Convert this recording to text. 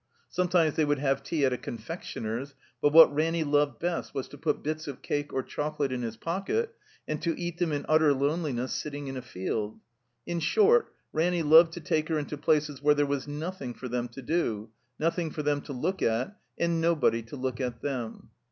Sometimes they would have tea at a confectioner's, but what Ranny loved best was to put bits of cake or chocolate in his pocket, and to eat them in utter loneliness sitting in a field. In short, Ranny loved to take her into places where there was nothing for them to do, nothing for them to look at, and nobody to look at them.